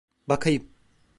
Bakayım.